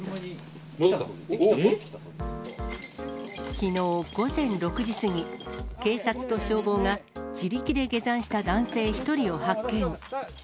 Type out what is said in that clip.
きのう午前６時過ぎ、警察と消防が、自力で下山した男性１人を発見。